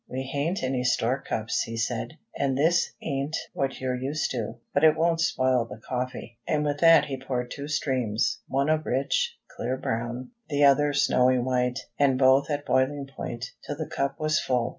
"We hain't any store cups," he said; "an' this ain't what you're used to, but it won't spoil the coffee." And with that he poured two streams, one a rich, clear brown, the other snowy white, and both at boiling point, till the cup was full.